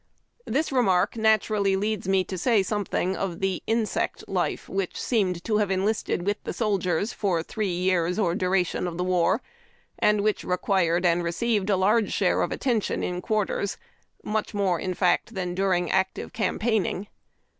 This remark naturally leads me to say some thing of the insect life which seemed to have enlisted with the soldiers for '' three years or during the war," and which required and received a large share of attention in quarters, go UAED TACK AND COFFEE. mvich more, in fact, than during active campaigning.